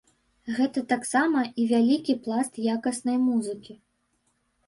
Гэта таксама і вялікі пласт якаснай музыкі.